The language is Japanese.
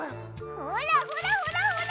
ほらほらほらほら！